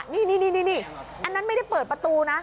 นี่อันนั้นไม่ได้เปิดประตูนะ